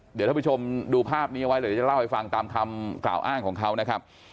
เดี๋ยวท่านผู้ชมดูภาพนี้ไว้เดี๋ยวจะเล่าให้ฟังตามคำกล่าวอ้างของเขานะครับ